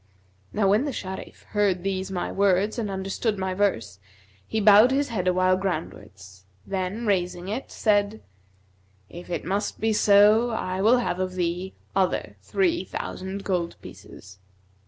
Now when the Sharif heard these my words and understood my verse, he bowed his head awhile groundwards then raising it, said, 'If it must be so, I will have of thee other three thousand gold pieces.'